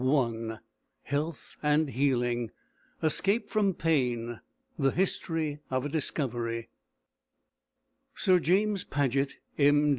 161 HEALTH AND HEALING ESCAPE FROM PAIN: THE HISTORY OF A DISCOVERY SIR JAMES PAGET, M.